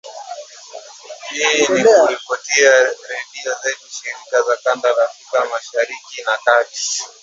Hii ni kupitia redio zetu shirika za kanda ya Afrika Mashariki na Kati